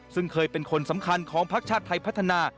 ซึ่งเคยเป็นคนสำคัญของพักชาติไทยพัฒนา